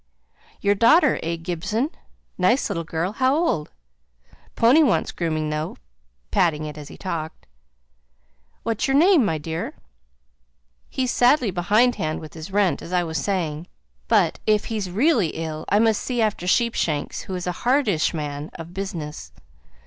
"Your daughter, eh, Gibson? nice little girl, how old? Pony wants grooming though," patting it as he talked. "What's your name, my dear? He's sadly behindhand with his rent, as I was saying, but if he's really ill, I must see after Sheepshanks, who is a hardish man of business.